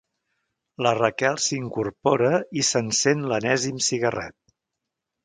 La Raquel s'incorpora i s'encén l'enèsim cigarret.